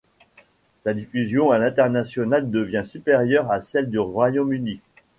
Sa diffusion à l'international devient supérieure à celle du Royaume-Uni.